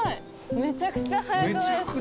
めちゃくちゃ速くないですか？